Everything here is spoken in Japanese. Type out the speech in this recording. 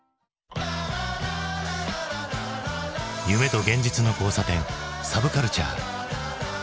夢と現実の交差点サブカルチャー。